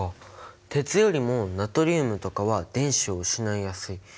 鉄よりもナトリウムとかは電子を失いやすい。